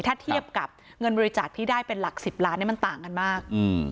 ถ้าเทียบกับเงินบริจาคที่ได้เป็นหลัก๑๐ล้านมันต่างกันมาก